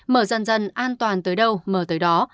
mở dần dần an toàn tới đâu mở tới đó